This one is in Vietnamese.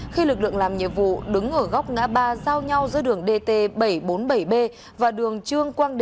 khi lực lượng làm nhiệm vụ đứng ở góc ngã ba giao nhau giữa đường dt bảy trăm bốn mươi bảy b và đường trương quang